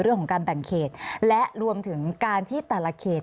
เรื่องของการแบ่งเขตและรวมถึงการที่แต่ละเขต